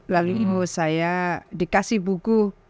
lalu ibu saya dikasih buku